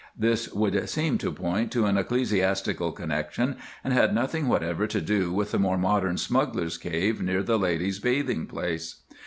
This would seem to point to an ecclesiastical connection, and had nothing whatever to do with the more modern smugglers' cave near the ladies' bathing place.